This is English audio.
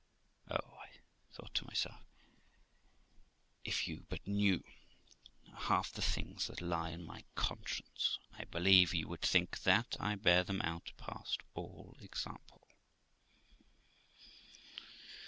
Oh ! thought I to myself, if you but knew half the things that lie on my conscience, I believe you would think that I bear them out past all example.